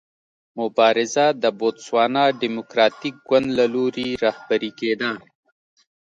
مبارزه د بوتسوانا ډیموکراټیک ګوند له لوري رهبري کېده.